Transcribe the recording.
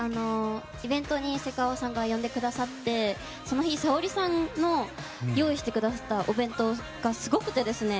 イベントにセカオワさんが呼んでくださってその日、Ｓａｏｒｉさんの用意してくださったお弁当がすごくてですね。